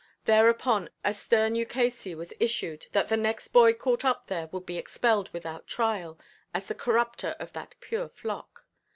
Thereupon a stern ukase was issued that the next boy caught up there would be expelled without trial, as the corrupter of that pure flock.